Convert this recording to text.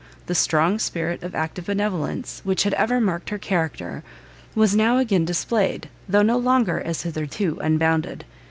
The strong spirit of active benevolence which had ever marked her character, was now again displayed, though no longer, as hitherto, unbounded.